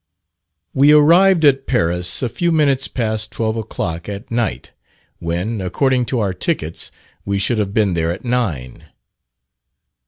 We arrived at Paris a few minutes past twelve o'clock at night, when, according to our tickets, we should have been there at nine.